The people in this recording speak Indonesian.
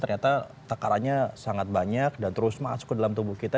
ternyata tekarannya sangat banyak dan terus masuk ke dalam tubuh kita